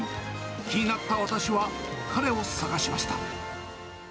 気になった私は彼を探しました。